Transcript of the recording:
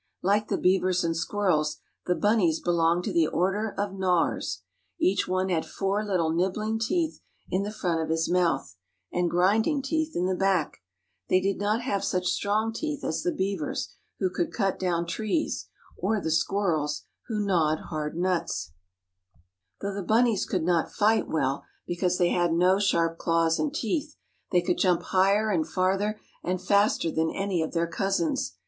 Like the beavers and squirrels the bunnies belonged to the Order of Gnawers. Each one had four little nibbling teeth in the front of his mouth, and grinding teeth in the back. They did not have such strong teeth as the beavers, who could cut down trees, or the squirrels, who gnawed hard nuts. [Illustration: THE RABBIT. "It was pleasant there in the underbrush of the woods." Page 84.] Though the bunnies could not fight well, because they had no sharp claws and teeth, they could jump higher and farther and faster than any of their cousins.